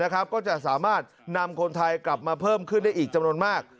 ก็จะสามารถนำคนไทยกลับมาเพิ่มขึ้นได้อีกจำนวนมาก